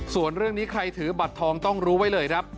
ส่วนเรื่องนี้ใครถือบัตรทองต้องรู้ไว้เลยครับ